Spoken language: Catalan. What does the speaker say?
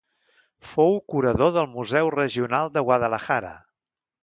Fou curador del Museu Regional de Guadalajara.